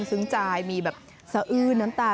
ซึ้งใจมีแบบสะอื้นน้ำตา